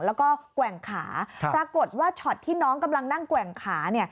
แล้วก็แกว่งขาปรากฏว่าช็อตที่น้องกำลังนั่งแกว่งขาเนี่ย